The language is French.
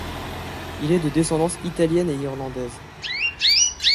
Il est de descendance italienne et irlandaise.